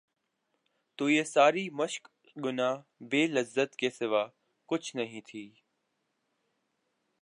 تو یہ ساری مشق گناہ بے لذت کے سوا کچھ نہیں تھی۔